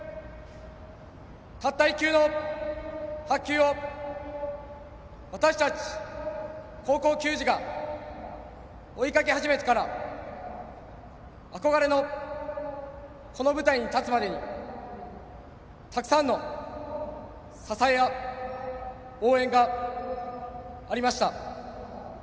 たった１球の白球を、私たち高校球児が追いかけ始めてから憧れのこの舞台に立つまでにたくさんの支えや応援がありました。